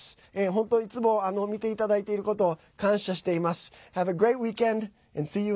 本当いつも見ていただいていることを感謝しています。